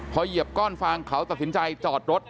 พอเหยียบก้อนฟางเขาตัดสินใจจอดรถ